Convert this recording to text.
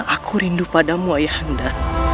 aku rindu padamu ayah anda